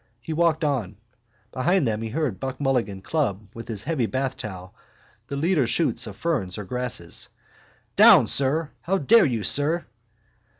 He walked on. Behind him he heard Buck Mulligan club with his heavy bathtowel the leader shoots of ferns or grasses. —Down, sir! How dare you, sir!